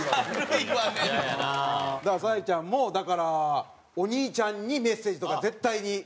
沙莉ちゃんもだからお兄ちゃんにメッセージとか絶対に。